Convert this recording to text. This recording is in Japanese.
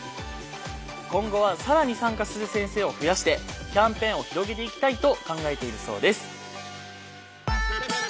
今後は更に参加する先生を増やしてキャンペーンを広げていきたいと考えているそうです。